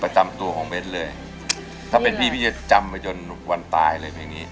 ประจำตัวของเบ้นเลยถ้าเป็นพี่พี่จะจำไปจนวันตายเลยเพลงนี้